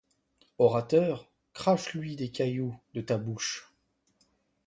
Orateur, crache-lui les cailloux de ta bouche.